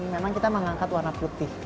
memang kita mengangkat warna putih